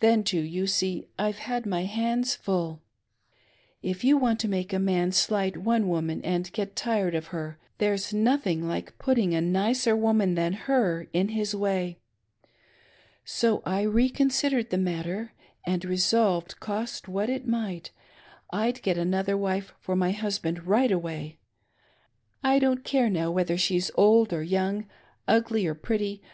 Then, too, you see I've had my hands fiill. If you want to make a man slight one woman and get tired of her, there's nothing like putting a nicer woman than her in his way. So I reconsidered the matter and resolved, cost what it might, I'd get another wife for my husband right away. I don't care now whether she's old or young, ugly or pretty